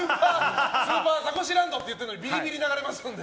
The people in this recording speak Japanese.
スーパーザコシランドって言ってるのにビリビリ流れますんで。